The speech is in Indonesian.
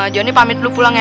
joni pamit dulu pulang ya